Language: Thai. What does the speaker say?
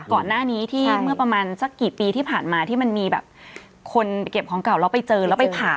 ก่อนหน้านี้ที่เมื่อประมาณสักกี่ปีที่ผ่านมาที่มันมีแบบคนเก็บของเก่าแล้วไปเจอแล้วไปผ่า